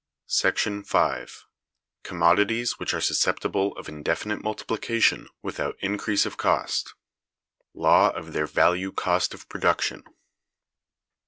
§ 5. Commodities which are Susceptible of Indefinite Multiplication without Increase of Cost. Law of their Value Cost of Production.